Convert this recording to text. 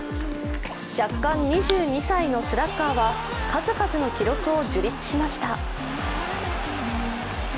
弱冠２２歳のスラッガーは数々の記録を樹立しました。